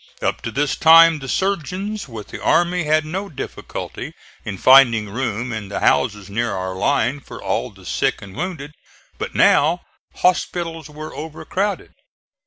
Up to this time the surgeons with the army had no difficulty in finding room in the houses near our line for all the sick and wounded; but now hospitals were overcrowded.